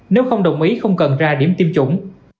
nếu không đồng ý không cần ra điểm tiêm chủng